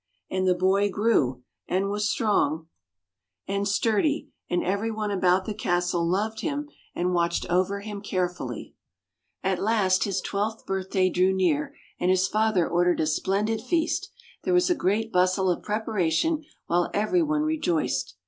And the boy grew, and was strong and [ 71 ] FAVORITE FAIRY TALES RETOLD sturdy; and everyone about the castle loved him and watched over him carefully. At last his twelfth birthday drew near, and his father ordered a splendid feast. There was a great bustle of preparation, while everyone rejoiced.